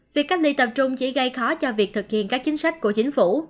việc cách ly tập trung chỉ gây khó cho việc thực hiện các chính sách của chính phủ